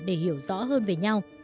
để hiểu rõ hơn về nhau